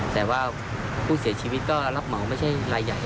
แต่ว่าผู้เสียชีวิตก็รับเหมาไม่ใช่รายใหญ่